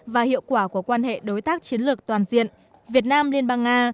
và hiệu quả của quan hệ đối tác chiến lược toàn diện việt nam liên bang nga